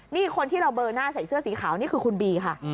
นี่คนที่เราเบอร์หน้าใส่เสื้อสีขาวนี่คือคุณบีค่ะ